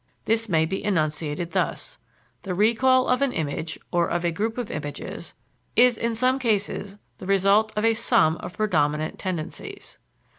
This may be enunciated thus: The recall of an image, or of a group of images, is in some cases the result of a sum of predominant tendencies.